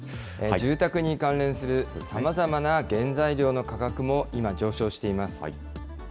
住宅に関連するさまざまな原材料の価格も今、上昇しています。